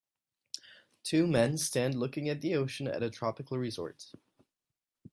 Two men stand looking at the ocean at a tropical resort.